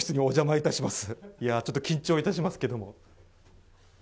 いやー、ちょっと緊張いたしますけれども。